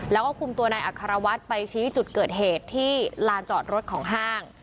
แล้วก็คุมตัวนายอัครวัฒน์ไปชี้จุดเกิดเหตุที่ลานจอดรถของห้าง